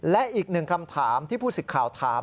และอีกหนึ่งคำถามที่ผู้สิทธิ์ข่าวถาม